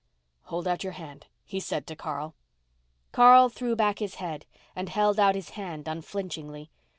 "Hold out your hand," he said to Carl. Carl threw back his head and held out his hand unflinchingly.